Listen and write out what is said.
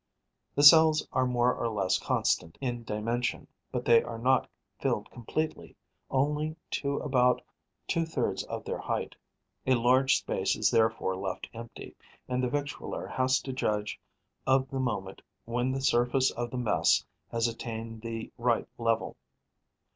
The cells are more or less constant in dimension, but they are not filled completely, only to about two thirds of their height. A large space is therefore left empty; and the victualler has to judge of the moment when the surface of the mess has attained the right level.